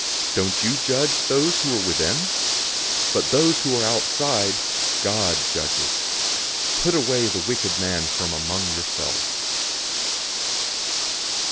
Don't you judge those who are within? 005:013 But those who are outside, God judges. "Put away the wicked man from among yourselves."